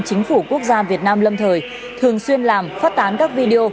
chính phủ quốc gia việt nam lâm thời thường xuyên làm phát tán các video